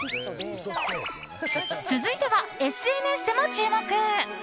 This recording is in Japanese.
続いてはＳＮＳでも注目。